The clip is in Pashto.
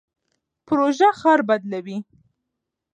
پروژه ښار بدلوي.